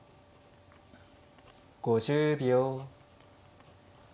５０秒。